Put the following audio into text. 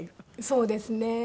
そうですね。